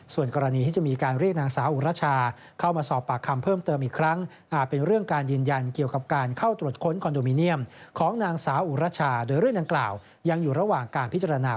ส่วนกรณีที่จะมีการเรียกนางสาวอยู่รัชา